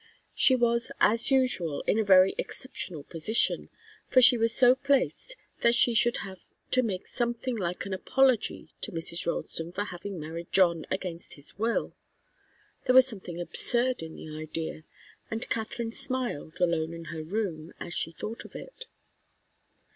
She was, as usual, in a very exceptional position, for she was so placed that she should have to make something like an apology to Mrs. Ralston for having married John against his will. There was something absurd in the idea, and Katharine smiled, alone in her room, as she thought of it.